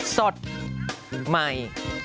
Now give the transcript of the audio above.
สดไหม